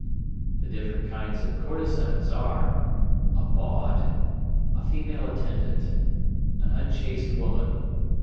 The different kinds of courtesans are: A bawd. A female attendant. An unchaste woman.